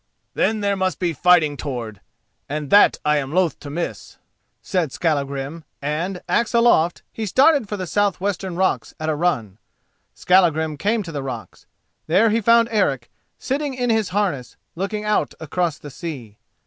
"Then there must be fighting toward, and that I am loth to miss," said Skallagrim, and, axe aloft, he started for the south western rocks at a run. Skallagrim came to the rocks. There he found Eric, sitting in his harness, looking out across the sea.